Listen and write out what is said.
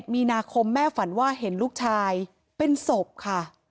มีนาคมแม่ฝันว่าเห็นลูกชายเป็นศพค่ะ